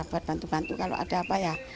buat bantu bantu kalau ada apa ya